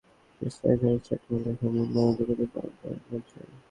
চাঁপাইনবাবগঞ্জে গতকাল সকালে স্থানীয় শহীদ সাটু হলের সামনে মানববন্ধন করে গণজাগরণ মঞ্চ।